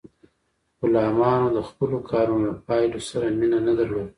غلامانو د خپلو کارونو له پایلو سره مینه نه درلوده.